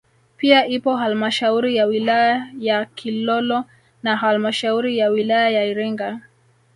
Pia ipo halmashauri ya wilaya ya Kilolo na halmashauri ya wilaya ya Iringa